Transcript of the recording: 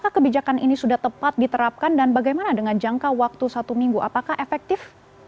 apakah kebijakan ini sudah tepat diterapkan dan bagaimana dengan jangka waktu satu minggu apakah efektif